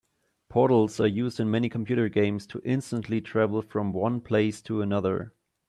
Portals are used in many computer games to instantly travel from one place to another.